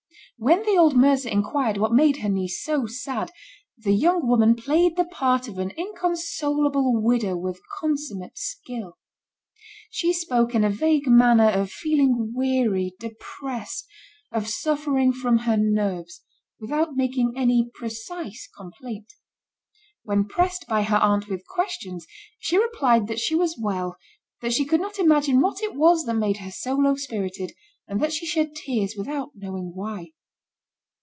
When the old mercer inquired what made her niece so sad, the young woman played the part of an inconsolable widow with consummate skill. She spoke in a vague manner of feeling weary, depressed, of suffering from her nerves, without making any precise complaint. When pressed by her aunt with questions, she replied that she was well, that she could not imagine what it was that made her so low spirited, and that she shed tears without knowing why.